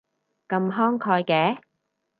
咁慷慨嘅